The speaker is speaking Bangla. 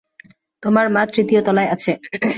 তোমার মা তৃতীয় তলায় আছে।